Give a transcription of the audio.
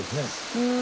うん。